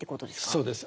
そうです。